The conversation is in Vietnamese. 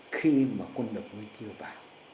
khi mà quân đội mới chưa vào